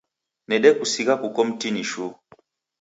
Nedekusigha kuko mtini shuu